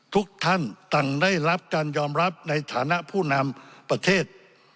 ทุกท่านต่างได้รับการยอมรับในฐานะผู้นำประเทศ